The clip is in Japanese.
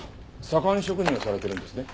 左官職人をされてるんですね？